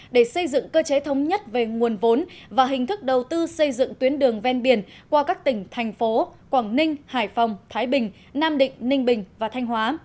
để xây dựng cơ chế thống nhất về nguồn vốn và hình thức đầu tư xây dựng tuyến đường ven biển qua các tỉnh thành phố quảng ninh hải phòng thái bình nam định ninh bình và thanh hóa